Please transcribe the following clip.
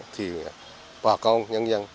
thì bà con nhân dân